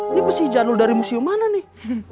ini besi jadul dari museum mana nih